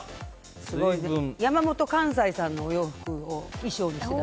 山本寛斎さんのお洋服を、衣装にしてた。